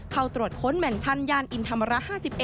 เข้าตรวจค้นแมนชั่นย่านอินธรรมระ๕๑